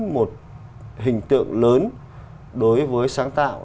một hình tượng lớn đối với sáng tạo